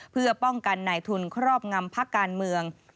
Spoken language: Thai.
เพื่อป้องกันในทุนครอบงำพักการเมือง